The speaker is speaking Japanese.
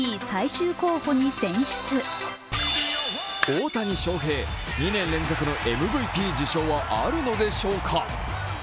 大谷翔平、２年連続のＭＶＰ受賞はあるのでしょうか？